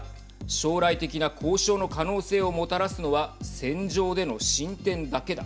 将来的な交渉の可能性をもたらすのは戦場での進展だけだ。